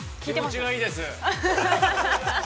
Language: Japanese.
◆気持ちがいいです。